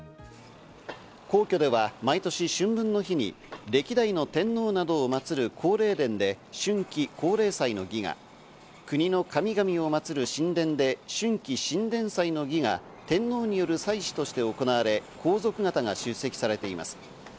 皇居では毎年、春分の日に歴代の天皇などをまつる皇霊殿で春季皇霊祭の儀が、国の神々をまつる神殿で春季神殿祭の儀が天皇による祭祀として行われ、皇族方が出席されています。